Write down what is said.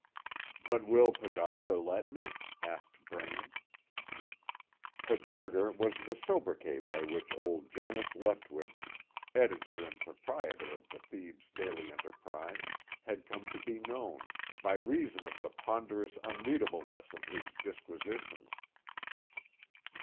"But will Podauger let me?" asked Braine. "Podauger" was the sobriquet by which old Janus Leftwitch "Editor and Proprietor of the Thebes Daily Enterprise" had come to be known, by reason of the ponderous unreadableness of his disquisitions.